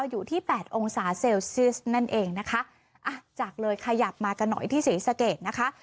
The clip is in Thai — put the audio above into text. อยู่ที่แปดองศาเซลเซียสนั่นเองนะคะอ่ะจากเลยขยับมากันหน่อยที่ศรีสะเกดนะคะ